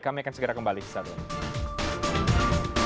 kami akan kembali ke zalur